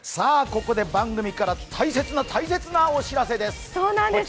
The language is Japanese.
ここで番組から大切な大切なお知らせです。